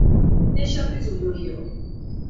Ne ŝercu, Julio.